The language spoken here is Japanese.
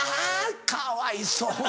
かわいそうに。